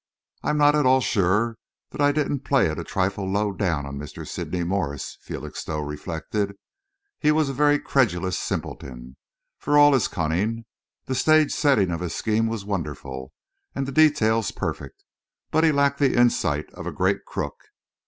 "I'm not at all sure that I didn't play it a trifle low down on Mr. Sydney Morse," Felixstowe reflected. "He was a very credulous simpleton, for all his cunning. The stage setting of his scheme was wonderful and the details perfect, but he lacked the insight of a great crook.